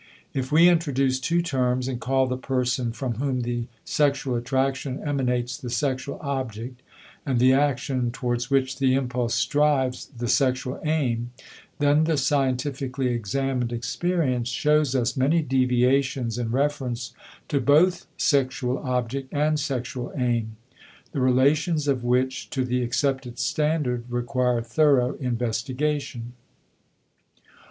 If we introduce two terms and call the person from whom the sexual attraction emanates the sexual object, and the action towards which the impulse strives the sexual aim, then the scientifically examined experience shows us many deviations in reference to both sexual object and sexual aim, the relations of which to the accepted standard require thorough investigation.